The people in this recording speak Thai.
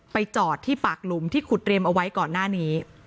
จอดที่ปากหลุมที่ขุดเรียมเอาไว้ก่อนหน้านี้